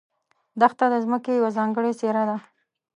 دښته د ځمکې یوه ځانګړې څېره ده.